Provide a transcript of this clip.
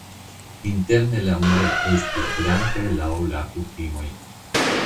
Interne la muroj estis blankaj laŭ la kutimoj.